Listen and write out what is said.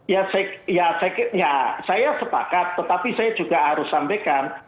ya saya sepakat tetapi saya juga harus sampaikan